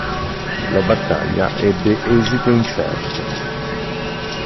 La battaglia ebbe esito incerto.